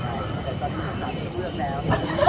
แต่ตอนนี้คุณคุณสาวนี่เลือกแล้ว